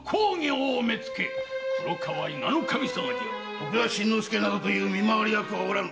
徳田などという見回り役はおらぬ。